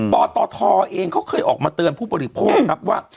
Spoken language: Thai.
ปตทเองเขาเคยออกมาเตือนผู้บริโภคครับว่า